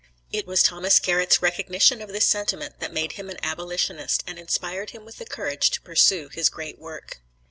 It was Thomas Garrett's recognition of this sentiment that made him an abolitionist, and inspired him with the courage to pursue his great work.